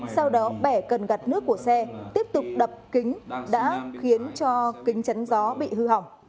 sau đó bẻ cần gạt nước của xe tiếp tục đập kính đã khiến cho kính chắn gió bị hư hỏng